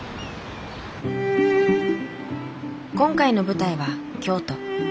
今回の舞台は京都。